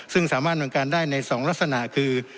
ซึ่งสามารถบริการได้ใน๒ลักษณะคือ